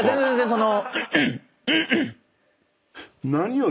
その。